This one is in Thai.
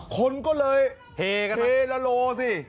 คนก็เลยเฮละโลสิ